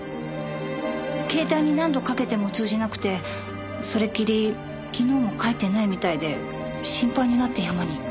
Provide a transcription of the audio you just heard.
携帯に何度かけても通じなくてそれっきり昨日も帰ってないみたいで心配になって山に。